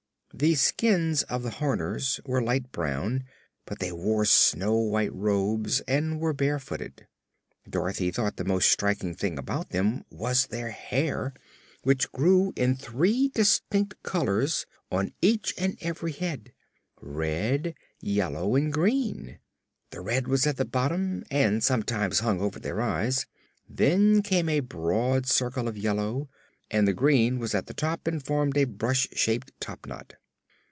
The skins of the Horners were light brown, but they wore snow white robes and were bare footed. Dorothy thought the most striking thing about them was their hair, which grew in three distinct colors on each and every head red, yellow and green. The red was at the bottom and sometimes hung over their eyes; then came a broad circle of yellow and the green was at the top and formed a brush shaped top knot.